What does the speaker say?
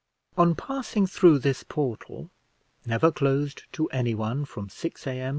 On passing through this portal, never closed to anyone from 6 A.M.